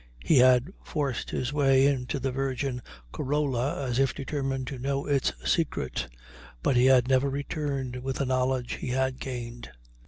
He had forced his way into the virgin corolla as if determined to know its secret, but he had never returned with the knowledge he had gained.